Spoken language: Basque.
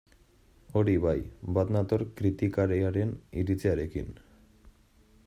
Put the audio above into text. Hori bai, bat nator kritikariaren iritziarekin.